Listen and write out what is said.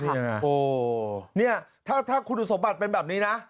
นี่ถ้าคุณสมบัติเป็นแบบนี้นะ